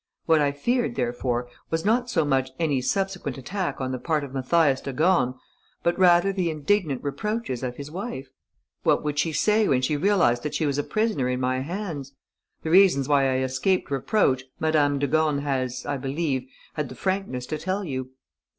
What I feared, therefore, was not so much any subsequent attack on the part of Mathias de Gorne, but rather the indignant reproaches of his wife. What would she say when she realized that she was a prisoner in my hands?... The reasons why I escaped reproach Madame de Gorne has, I believe, had the frankness to tell you.